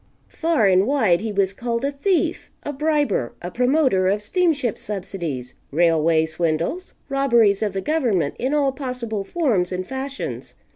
Far and wide he was called a thief, a briber, a promoter of steamship subsidies, railway swindles, robberies of the government in all possible forms and fashions.